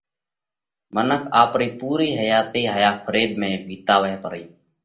منک آپرئِي پُورئِي حياتئِي هائيا فريڀ ۾ وِيتاوئه پرئِي۔